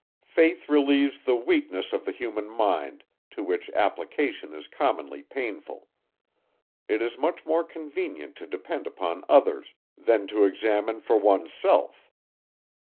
Faith relieves the weakness of the human mind, to which application is commonly painful; it is much more convenient to depend upon others, than to examine for one's self.